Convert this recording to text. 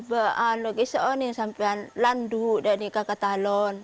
dan saya tidak bisa ke talon